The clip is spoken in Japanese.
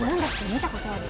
見たことある。